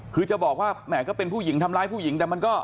คือจะบอกว่าแหมก็เป็นผู้หญิงทำร้ายผู้หญิงแต่มันก็